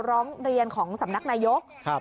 ร้องเรียนของสำนักนายก